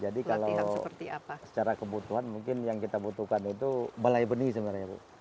jadi kalau secara kebutuhan mungkin yang kita butuhkan itu balai benih sebenarnya